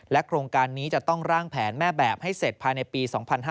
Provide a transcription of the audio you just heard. โครงการนี้จะต้องร่างแผนแม่แบบให้เสร็จภายในปี๒๕๕๙